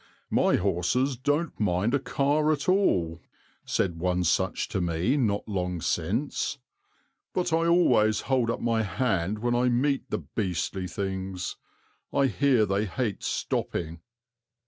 "My horses don't mind a car at all," said one such to me not long since, "but I always hold up my hand when I meet the beastly things; I hear they hate stopping."